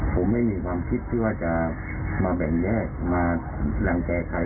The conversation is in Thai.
ผมไม่มีความคิดเพื่อจะมาแบ่งแยกมาแรงแจใคร